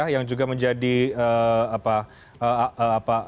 yang juga menjadi apa